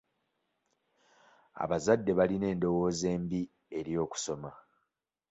Abazadde balina endowooza embi eri okusoma.